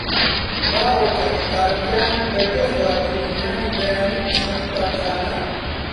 باوە کە کە قوتابییان بەبێ خواردنی نانی بەیانی بچنە قوتابخانە.